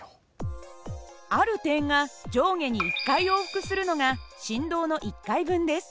ある点が上下に１回往復するのが振動の１回分です。